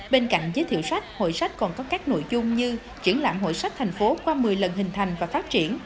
bên cạnh giới thiệu sách hội sách còn có các nội dung như triển lãm hội sách thành phố qua một mươi lần hình thành và phát triển